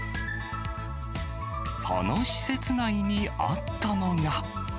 その施設内にあったのが。